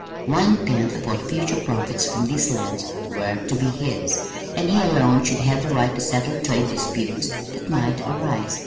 One tenth of all future profits from these lands were to be his, and he alone should have the right to settle trade disputes that might arise.